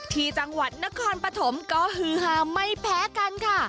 ที่จังหวัดนครปฐมก็ฮือฮาไม่แพ้กันค่ะ